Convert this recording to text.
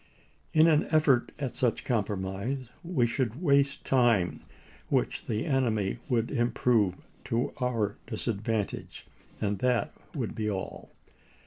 In an effort at such compromise we should waste time which the enemy would improve to our disadvantage, and that would be all.